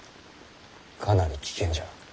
かなり危険じゃな。